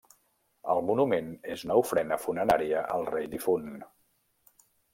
El monument és una ofrena funerària al rei difunt.